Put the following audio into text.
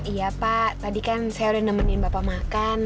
iya pak tadi kan saya udah nemenin bapak makan